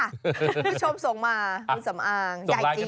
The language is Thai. คุณผู้ชมส่งมาคุณสำอางใหญ่จริง